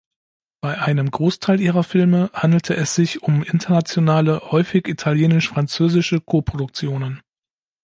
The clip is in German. Bei einem Großteil ihrer Filme handelte es sich um internationale, häufig italienisch-französische Koproduktionen.